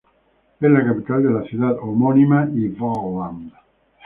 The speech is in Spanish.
Es la capital de la ciudad homónima y Värmland.